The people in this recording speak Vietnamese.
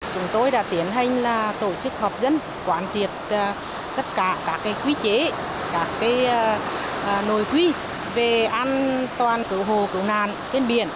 chúng tôi đã tiến hành tổ chức họp dân quán triệt tất cả các quy chế các nội quy về an toàn cứu hồ cứu nạn trên biển